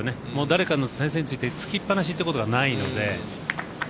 誰かの先生についてつきっぱなしということがないので。